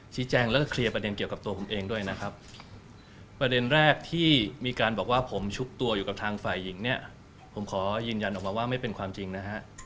แจ้งแล้วก็เคลียร์ประเด็นเกี่ยวกับตัวผมเองด้วยนะครับประเด็นแรกที่มีการบอกว่าผมชุบตัวอยู่กับทางฝ่ายหญิงเนี่ยผมขอยืนยันออกมาว่าไม่เป็นความจริงนะฮะ